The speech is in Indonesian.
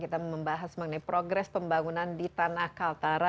kita membahas mengenai progres pembangunan di tanah kaltara